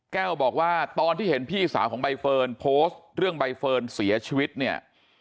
แก้วบอกว่าตอนที่เห็นพี่สาวของใบเฟิร์นโพสต์เรื่องใบเฟิร์นเสียชีวิตเนี่ย